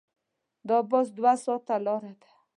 د بس دوه ساعته لاره ده.